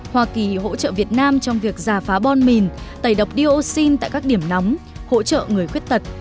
hoa kỳ hỗ trợ việt nam trong việc giả phá bom mìn tẩy độc dioxin tại các điểm nóng hỗ trợ người khuyết tật